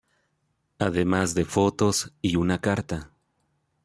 Además de fotos y una carta.